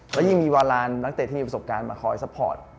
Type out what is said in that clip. แล้วยิ่งมีวาลานนักเตะที่มีประสบการณ์มาคอยซัพพอร์ต